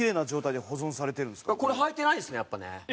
これ穿いてないですねやっぱね。